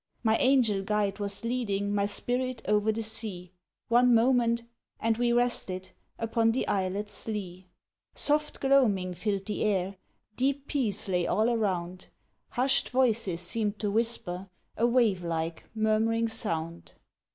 My Angel guide was leading My spirit o'er the sea One moment—and we rested, Upon the Islet's lea. Soft gloaming filled the air, Deep peace lay all around, Hushed voices seemed to whisper, A wavelike, murmuring sound.